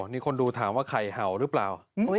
นี่คนดูถามว่าไข่เห่าหรือเปล่า